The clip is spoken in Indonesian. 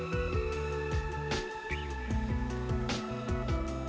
kalau ada yang ingin berumah